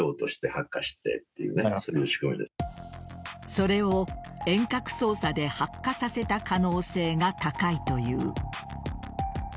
それを遠隔操作で発火させた可能性が高いという。